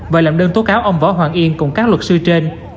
và làm đơn tố cáo ông võ hoàng yên cùng các luật sư trên